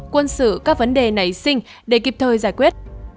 quân sự các vấn đề nảy sinh để kịp thời giải quyết